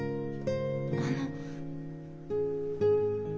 あの。